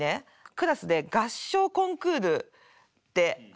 クラスで合唱コンクールってあったの。